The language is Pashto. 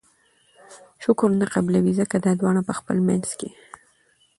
شکر نه قبلوي!! ځکه دا دواړه په خپل منځ کي